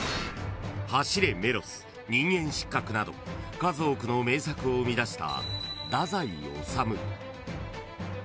［『走れメロス』『人間失格』など数多くの名作を生み出した］